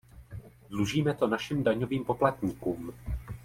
Dlužíme to našim daňovým poplatníkům.